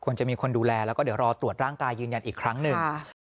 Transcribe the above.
จะมีคนดูแลแล้วก็เดี๋ยวรอตรวจร่างกายยืนยันอีกครั้งหนึ่ง